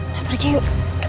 nah pergi yuk